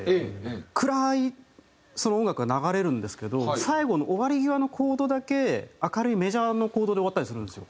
暗い音楽が流れるんですけど最後の終わり際のコードだけ明るいメジャーのコードで終わったりするんですよ。